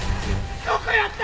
どこやった！？